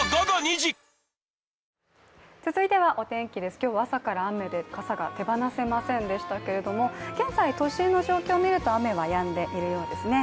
今日は朝から雨で傘が手放せませんでしたけれども、現在、都心の状況を見ると雨はやんでいるようですね。